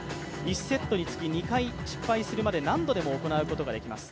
１セットにつき２回、失敗するまで何度でも行うことができます。